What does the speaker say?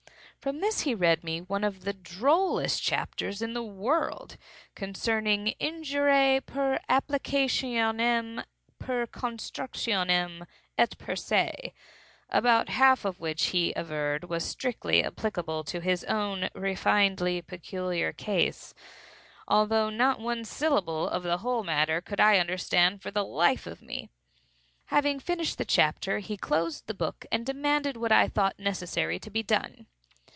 From this he read me one of the drollest chapters in the world concerning "Injuriae per applicationem, per constructionem, et per se," about half of which, he averred, was strictly applicable to his own "refinedly peculiar" case, although not one syllable of the whole matter could I understand for the life of me. Having finished the chapter, he closed the book, and demanded what I thought necessary to be done.